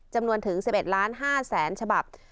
จำนวนถึง๑๑๕๐๐๐๐๐ฉบับ